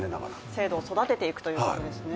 制度を育てていくということですね。